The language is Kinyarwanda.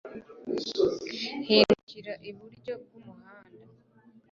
Hindukirira iburyo bwumuhanda